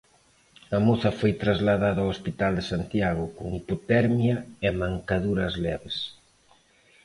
A moza foi trasladada ao hospital de Santiago, con hipotermia e mancaduras leves.